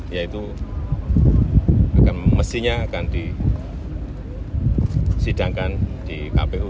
yaitu mestinya akan disidangkan di kpu